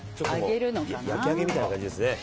焼き揚げみたいな感じですね。